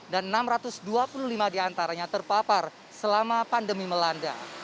dan enam ratus dua puluh lima diantaranya terpapar selama pandemi melanda